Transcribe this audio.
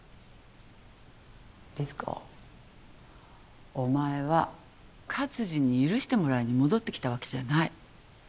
律子お前は勝二に許してもらいに戻ってきたわけじゃない。